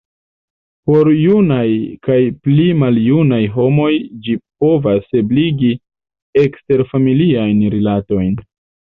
Por junaj kaj pli maljunaj homoj ĝi povas ebligi eksterfamiliajn rilatojn.